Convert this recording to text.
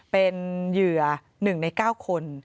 เป็นเหยื่อ๑ใน๙คน